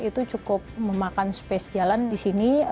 itu cukup memakan space jalan di sini